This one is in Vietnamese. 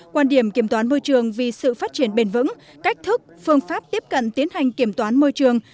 quan điểm kiểm toán môi trường vì sự phát triển bền vững cách thức phương pháp tiếp cận tiến hành kiểm toán môi trường